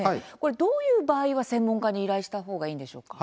どういう場合は専門家に依頼した方がいいんでしょうか？